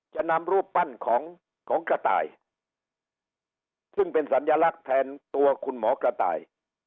จะนำรูปปั้นของของกระต่ายซึ่งเป็นสัญลักษณ์แทนตัวคุณหมอกระต่าย